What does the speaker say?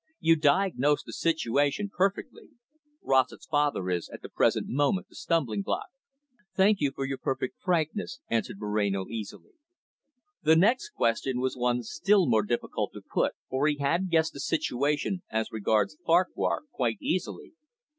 "You diagnosed the situation perfectly. Rossett's father is, at the present moment, the stumbling block." "Thanks for your perfect frankness," answered Moreno easily. The next question was one still more difficult to put, for he had guessed the situation as regards Farquhar quite easily.